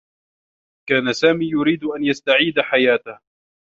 كان سامي يريد أن يستعيد حياته.